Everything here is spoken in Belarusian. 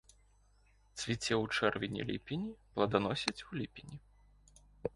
Цвіце ў чэрвені-ліпені, пладаносіць у ліпені.